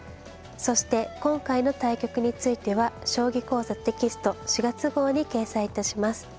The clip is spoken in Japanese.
そして今回の対局については「将棋講座」テキスト４月号に掲載致します。